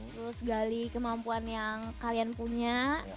terus gali kemampuan yang kalian punya